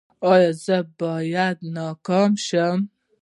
ایا زه باید ناکام شم؟